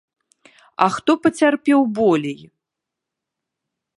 А хто пацярпеў болей?